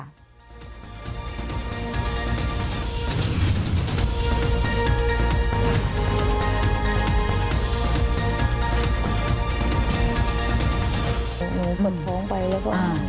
หนูเหมือนพ้องไปแล้วก็